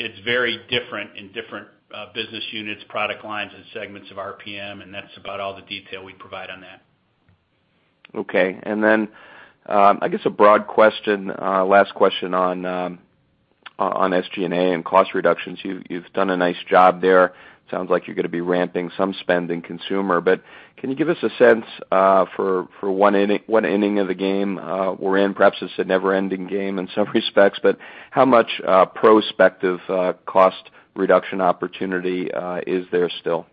It's very different in different business units, product lines, and segments of RPM, and that's about all the detail we provide on that. I guess a broad question, last question on SG&A and cost reductions. You've done a nice job there. Sounds like you're going to be ramping some spend in consumer. Can you give us a sense for what inning of the game we're in? Perhaps it's a never-ending game in some respects, but how much prospective cost reduction opportunity is there still?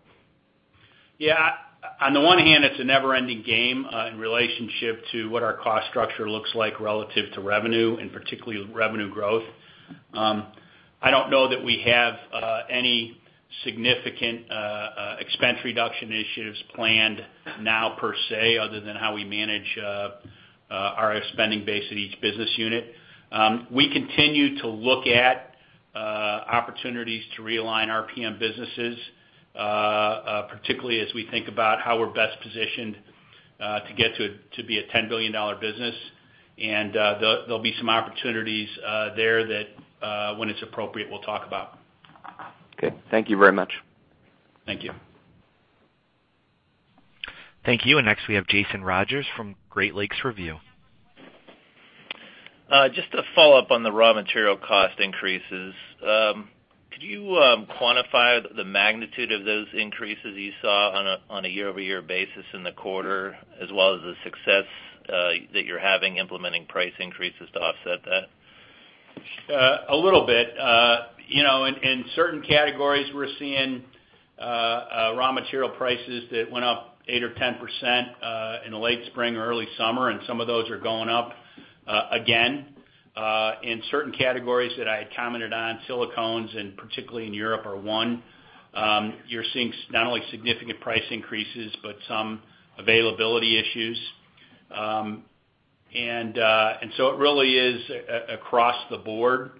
On the one hand, it's a never-ending game in relationship to what our cost structure looks like relative to revenue and particularly revenue growth. I don't know that we have any significant expense reduction initiatives planned now per se, other than how we manage our spending base at each business unit. We continue to look at opportunities to realign RPM businesses, particularly as we think about how we're best positioned to get to be a $10 billion business. There'll be some opportunities there that, when it's appropriate, we'll talk about. Okay. Thank you very much. Thank you. Thank you. And next we have Jason Rogers from Great Lakes Review. Just to follow up on the raw material cost increases. Could you quantify the magnitude of those increases you saw on a year-over-year basis in the quarter, as well as the success that you're having implementing price increases to offset that? A little bit. In certain categories, we're seeing raw material prices that went up 8%-10% in the late spring or early summer, and some of those are going up again. In certain categories that I had commented on, silicones, and particularly in Europe, are one. You're seeing not only significant price increases, but some availability issues. It really is across the board.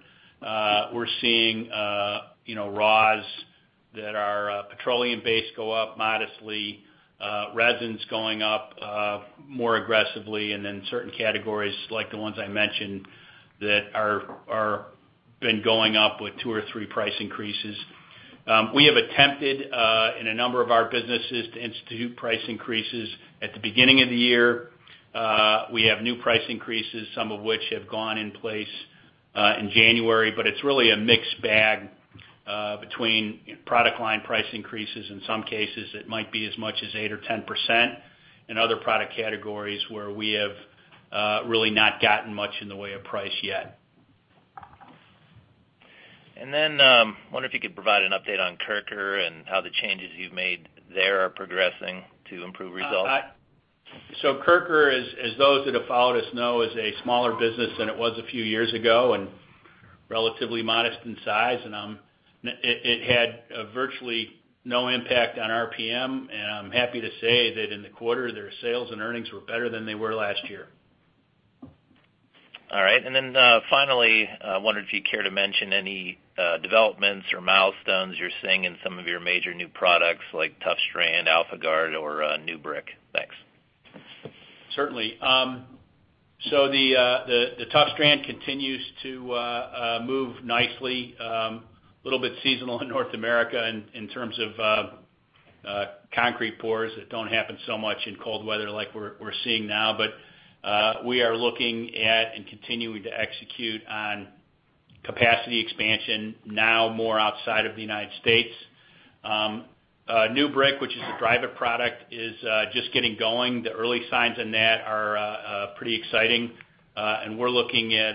We're seeing raws that are petroleum based go up modestly, resins going up more aggressively, and then certain categories, like the ones I mentioned, that have been going up with two or three price increases. We have attempted, in a number of our businesses, to institute price increases at the beginning of the year. We have new price increases, some of which have gone in place in January. It's really a mixed bag between product line price increases. In some cases, it might be as much as 8%-10%, and other product categories where we have really not gotten much in the way of price yet. I wonder if you could provide an update on Kirker and how the changes you've made there are progressing to improve results. Kirker, as those that have followed us know, is a smaller business than it was a few years ago and relatively modest in size. It had virtually no impact on RPM. I'm happy to say that in the quarter, their sales and earnings were better than they were last year. Finally, I wondered if you'd care to mention any developments or milestones you're seeing in some of your major new products like ToughStrand, AlphaGuard, or NuBrick. Thanks. Certainly. The ToughStrand continues to move nicely. A little bit seasonal in North America in terms of concrete pours that don't happen so much in cold weather like we're seeing now. We are looking at and continuing to execute on capacity expansion now more outside of the U.S. NuBrick, which is a Dryvit product, is just getting going. The early signs on that are pretty exciting. We're looking at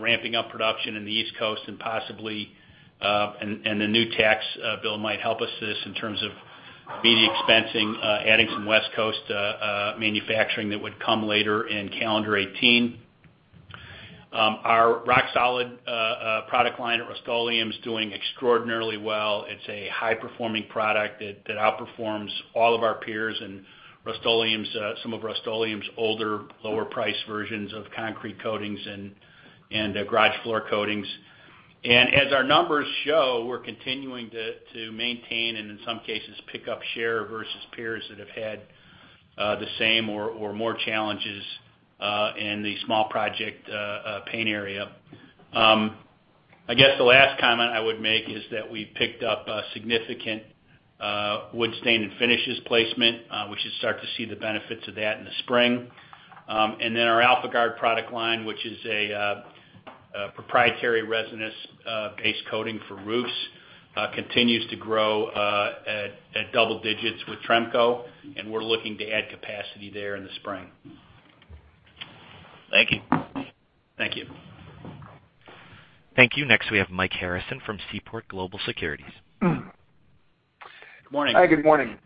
ramping up production in the East Coast and possibly, and the new tax bill might help us in terms of immediate expensing, adding some West Coast manufacturing that would come later in calendar 2018. Our RockSolid product line at Rust-Oleum is doing extraordinarily well. It's a high performing product that outperforms all of our peers and some of Rust-Oleum's older, lower priced versions of concrete coatings and garage floor coatings. As our numbers show, we're continuing to maintain, and in some cases, pick up share versus peers that have had the same or more challenges in the small project paint area. I guess the last comment I would make is that we picked up a significant wood stain and finishes placement. We should start to see the benefits of that in the spring. Our AlphaGuard product line, which is a proprietary resinous-based coating for roofs, continues to grow at double digits with Tremco, and we're looking to add capacity there in the spring. Thank you. Thank you. Thank you. Next, we have Mike Harrison from Seaport Global Securities. Morning. Hi, good morning.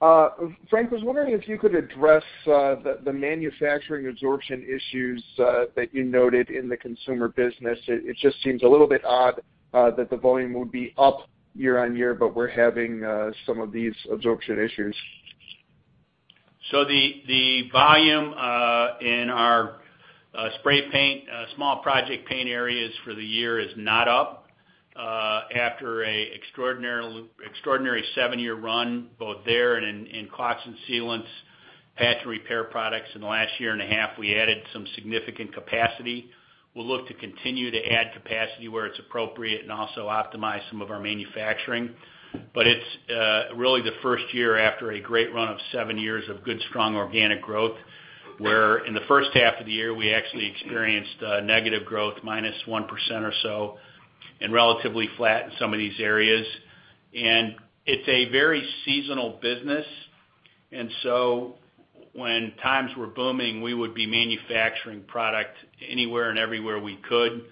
Frank, I was wondering if you could address the manufacturing absorption issues that you noted in the consumer business. It just seems a little bit odd that the volume would be up year-over-year, but we're having some of these absorption issues. The volume in our spray paint, small project paint areas for the year is not up. After an extraordinary seven-year run both there and in caulks and sealants, patch and repair products in the last year and a half, we added some significant capacity. We'll look to continue to add capacity where it's appropriate and also optimize some of our manufacturing. It's really the first year after a great run of seven years of good, strong organic growth, where in the first half of the year, we actually experienced negative growth, -1% or so, and relatively flat in some of these areas. It's a very seasonal business, so when times were booming, we would be manufacturing product anywhere and everywhere we could.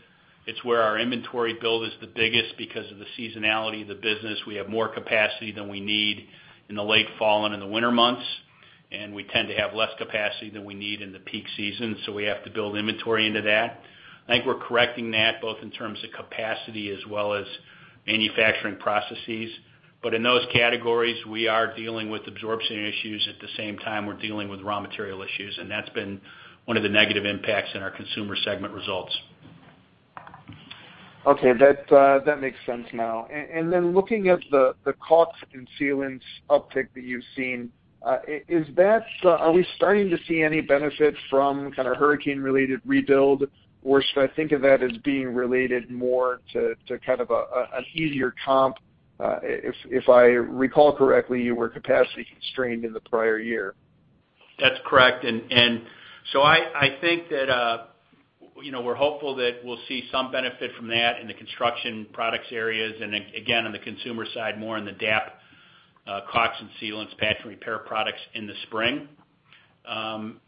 It's where our inventory build is the biggest because of the seasonality of the business. We have more capacity than we need in the late fall and in the winter months, we tend to have less capacity than we need in the peak season, we have to build inventory into that. I think we're correcting that, both in terms of capacity as well as manufacturing processes. In those categories, we are dealing with absorption issues. At the same time, we're dealing with raw material issues, and that's been one of the negative impacts in our consumer segment results. Okay. That makes sense now. Looking at the caulk and sealants uptick that you've seen, are we starting to see any benefit from hurricane-related rebuild? Should I think of that as being related more to kind of an easier comp? If I recall correctly, you were capacity constrained in the prior year. That's correct. I think that we're hopeful that we'll see some benefit from that in the construction products areas, and again, on the consumer side, more in the DAP caulk and sealants patch and repair products in the spring. Some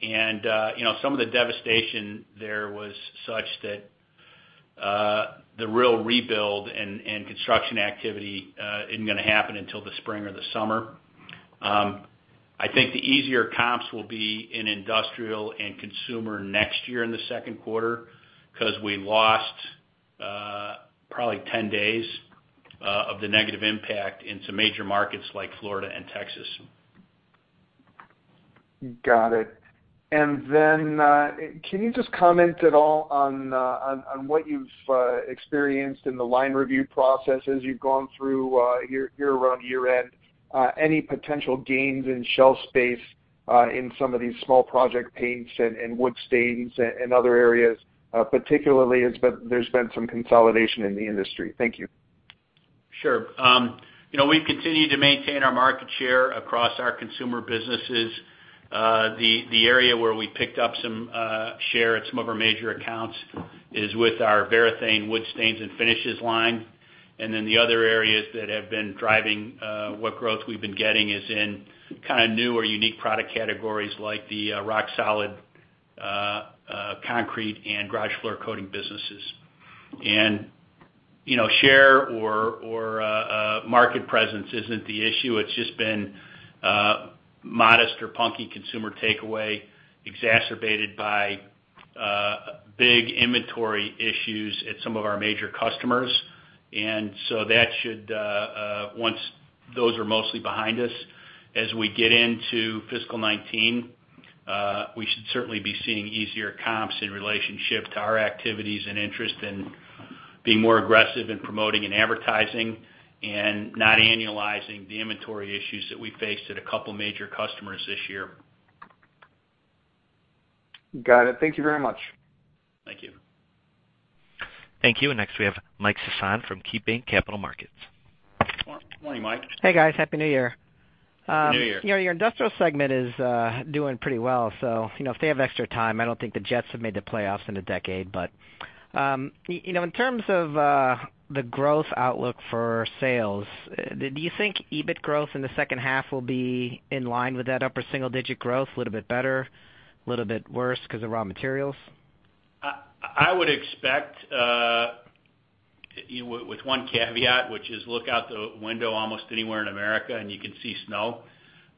of the devastation there was such that the real rebuild and construction activity isn't going to happen until the spring or the summer. I think the easier comps will be in industrial and consumer next year in the second quarter because we lost probably 10 days of the negative impact in some major markets like Florida and Texas. Got it. Can you just comment at all on what you've experienced in the line review processes you've gone through here around year-end? Any potential gains in shelf space in some of these small project paints and wood stains and other areas, particularly as there's been some consolidation in the industry? Thank you. Sure. We've continued to maintain our market share across our consumer businesses. The area where we picked up some share at some of our major accounts is with our Varathane wood stains and finishes line. The other areas that have been driving what growth we've been getting is in kind of new or unique product categories like the RockSolid concrete and garage floor coating businesses. Share or market presence isn't the issue. It's just been modest or punky consumer takeaway exacerbated by big inventory issues at some of our major customers. Once those are mostly behind us as we get into fiscal 2019, we should certainly be seeing easier comps in relationship to our activities and interest in being more aggressive in promoting and advertising and not annualizing the inventory issues that we faced at a couple major customers this year. Got it. Thank you very much. Thank you. Thank you. Next we have Mike Sison from KeyBanc Capital Markets. Morning, Mike. Hey, guys. Happy New Year. Happy New Year. Your industrial segment is doing pretty well. If they have extra time, I don't think the Jets have made the playoffs in a decade. In terms of the growth outlook for sales, do you think EBIT growth in the second half will be in line with that upper single-digit growth? A little bit better? A little bit worse because of raw materials? I would expect with one caveat, which is look out the window almost anywhere in America and you can see snow.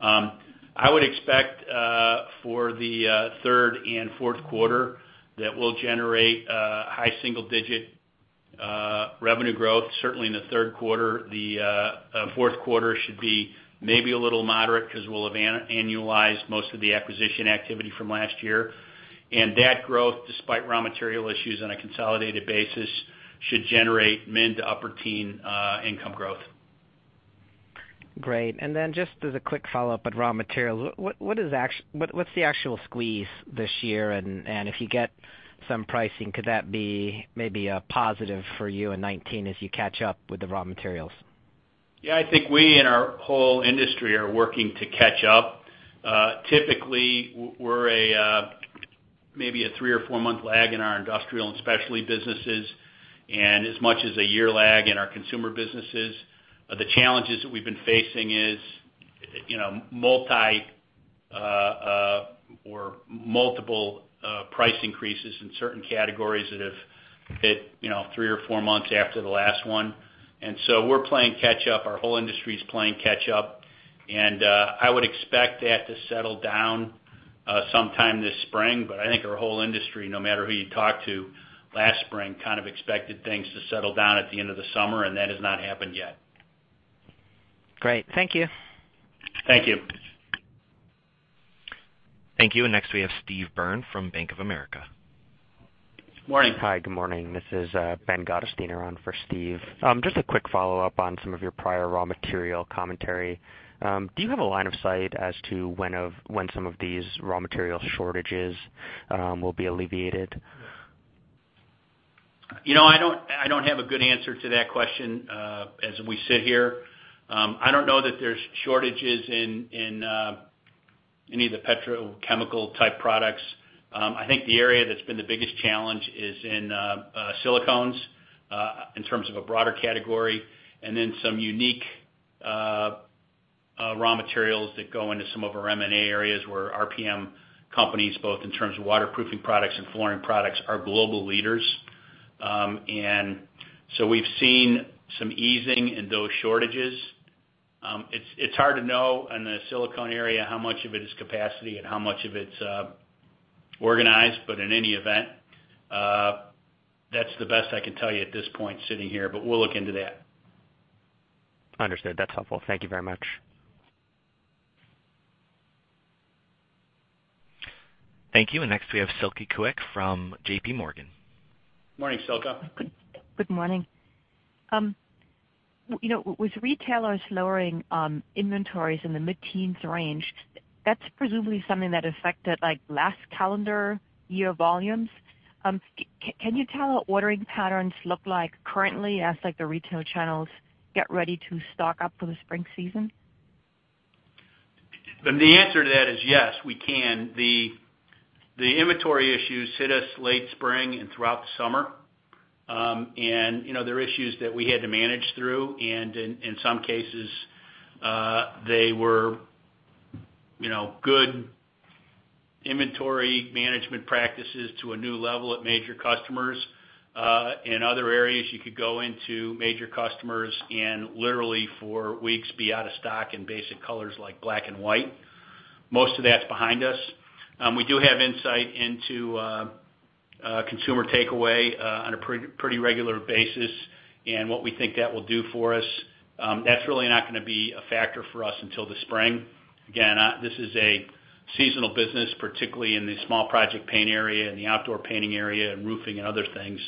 I would expect for the third and fourth quarter that we'll generate high single-digit revenue growth, certainly in the third quarter. The fourth quarter should be maybe a little moderate because we'll have annualized most of the acquisition activity from last year. That growth, despite raw material issues on a consolidated basis, should generate mid- to upper-teen income growth. Great. Just as a quick follow-up on raw material, what's the actual squeeze this year? If you get some pricing, could that be maybe a positive for you in 2019 as you catch up with the raw materials? I think we and our whole industry are working to catch up. Typically, we're maybe a three or four-month lag in our industrial and specialty businesses and as much as a year lag in our consumer businesses. The challenges that we've been facing is multiple price increases in certain categories that have hit three or four months after the last one. We're playing catch up. Our whole industry is playing catch up, I would expect that to settle down sometime this spring. I think our whole industry, no matter who you talk to last spring, kind of expected things to settle down at the end of the summer, that has not happened yet. Great. Thank you. Thank you. Thank you. Next we have Steve Byrne from Bank of America. Morning. Hi, good morning. This is Ben Gottesdiener on for Steve. Just a quick follow-up on some of your prior raw material commentary. Do you have a line of sight as to when some of these raw material shortages will be alleviated? I don't have a good answer to that question as we sit here. I don't know that there's shortages in any of the petrochemical type products. I think the area that's been the biggest challenge is in silicones in terms of a broader category, and then some unique raw materials that go into some of our M&A areas where RPM companies, both in terms of waterproofing products and flooring products, are global leaders. So we've seen some easing in those shortages. It's hard to know in the silicone area how much of it is capacity and how much of it, were organized, but in any event, that's the best I can tell you at this point sitting here, but we'll look into that. Understood. That's helpful. Thank you very much. Thank you. Next we have Silke Kueck from J.P. Morgan. Morning, Silke. Good morning. With retailers lowering inventories in the mid-teens range, that's presumably something that affected last calendar year volumes. Can you tell how ordering patterns look like currently as the retail channels get ready to stock up for the spring season? The answer to that is yes, we can. The inventory issues hit us late spring and throughout the summer. They're issues that we had to manage through, and in some cases, they were good inventory management practices to a new level at major customers. In other areas, you could go into major customers and literally for weeks be out of stock in basic colors like black and white. Most of that's behind us. We do have insight into consumer takeaway on a pretty regular basis and what we think that will do for us. That's really not going to be a factor for us until the spring. Again, this is a seasonal business, particularly in the small project paint area and the outdoor painting area and roofing and other things.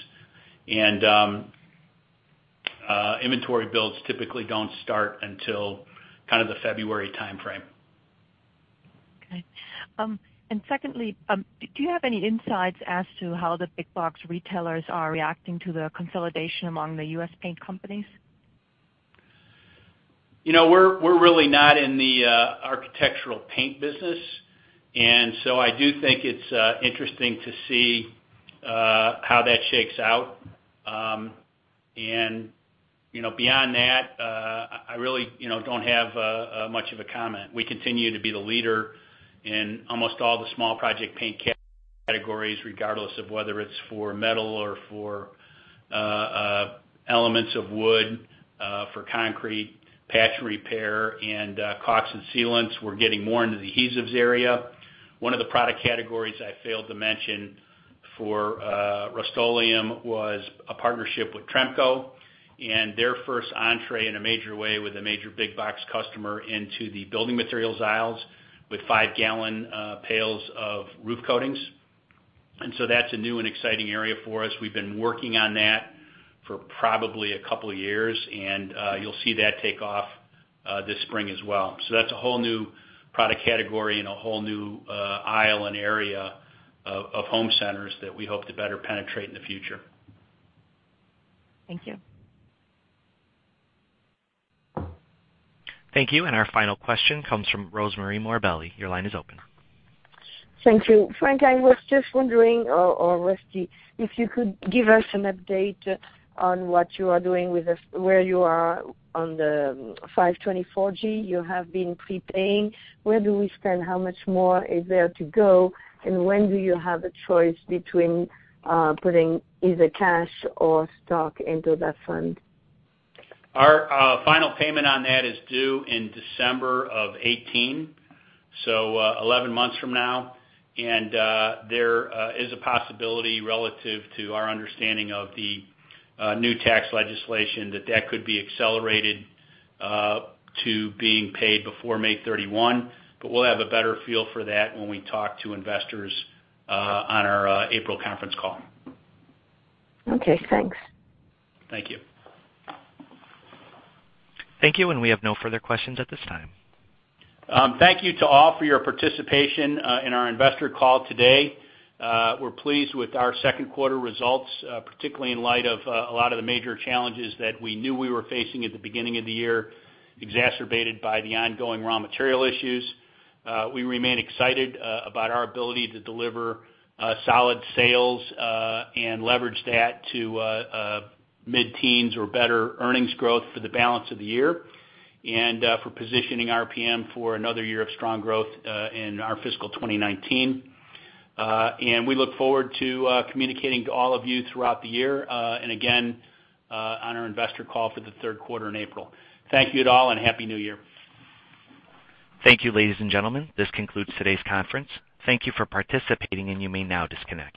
Inventory builds typically don't start until the February timeframe. Okay. Secondly, do you have any insights as to how the big box retailers are reacting to the consolidation among the U.S. paint companies? We're really not in the architectural paint business, I do think it's interesting to see how that shakes out. Beyond that, I really don't have much of a comment. We continue to be the leader in almost all the small project paint categories, regardless of whether it's for metal or for elements of wood, for concrete, patch repair, and caulk and sealants. We're getting more into the adhesives area. One of the product categories I failed to mention for Rust-Oleum was a partnership with Tremco and their first entree in a major way with a major big box customer into the building materials aisles with five-gallon pails of roof coatings. That's a new and exciting area for us. We've been working on that for probably a couple of years, and you'll see that take off this spring as well. That's a whole new product category and a whole new aisle and area of home centers that we hope to better penetrate in the future. Thank you. Thank you. Our final question comes from Rosemarie Morbelli. Your line is open. Thank you. Frank, I was just wondering, or Rusty, if you could give us an update on what you are doing with this, where you are on the 524(g). You have been prepaying. Where do we stand? How much more is there to go, when do you have a choice between putting either cash or stock into that fund? Our final payment on that is due in December of 2018, so 11 months from now. There is a possibility relative to our understanding of the new tax legislation that that could be accelerated to being paid before May 31. We'll have a better feel for that when we talk to investors on our April conference call. Okay, thanks. Thank you. Thank you. We have no further questions at this time. Thank you to all for your participation in our investor call today. We're pleased with our second quarter results, particularly in light of a lot of the major challenges that we knew we were facing at the beginning of the year, exacerbated by the ongoing raw material issues. We remain excited about our ability to deliver solid sales and leverage that to mid-teens or better earnings growth for the balance of the year, and for positioning RPM for another year of strong growth in our fiscal 2019. We look forward to communicating to all of you throughout the year, and again on our investor call for the third quarter in April. Thank you to all, Happy New Year. Thank you, ladies and gentlemen. This concludes today's conference. Thank you for participating, and you may now disconnect.